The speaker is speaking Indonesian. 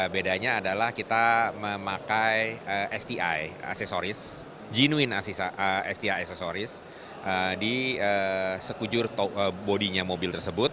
bedanya adalah kita memakai sti aksesoris genuine sti aksesoris di sekujur bodinya mobil tersebut